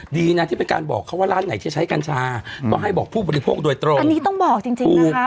ดีนะที่เป็นการบอกเขาว่าร้านไหนจะใช้กัญชาก็ให้บอกผู้บริโภคโดยตรงอันนี้ต้องบอกจริงจริงถูก